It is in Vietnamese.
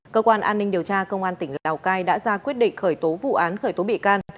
cơ quan an ninh điều tra công an tỉnh lào cai đã ra quyết định khởi tố vụ án khởi tố bị can